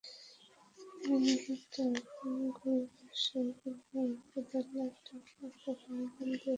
তিনি নিহত তিন গরু ব্যবসায়ীর পরিবারকে দেড় লাখ টাকা করে অনুদান দিয়েছেন।